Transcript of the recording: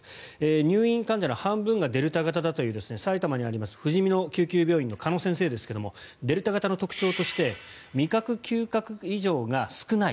入院患者の半分がデルタ型だという埼玉にあるふじみの救急病院の鹿野先生ですがデルタ型の特徴として味覚・嗅覚異常が少ない。